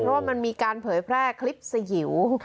เพราะว่ามันมีการเผยแพร่คลิปสยิว